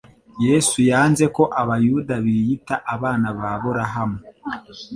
Yesu yanze ko abayuda biyita abana b'Aburahamu.